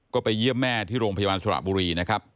ก็ไปเยี่ยมแม่ที่โรงพยาบาลสระบุรีนะครับ